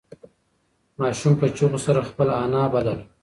ماشوم په چیغو سره خپله انا بلله.